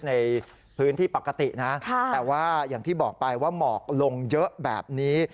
ในพื้นที่ปกตินะแต่ว่าอย่างที่บอกไปว่าหมอกลงเยอะแบบนี้